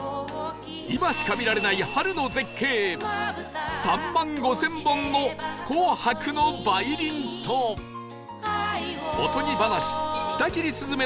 今しか見られない春の絶景３万５０００本の紅白の梅林とおとぎ話『舌切り雀』のお宿